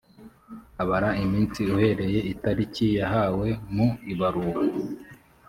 abara iminsi uhereye itariki yahawe mu ibaruwa.